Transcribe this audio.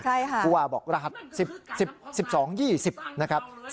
ภูวาบอกรหัส๑๐๑๒๒๐นะครับ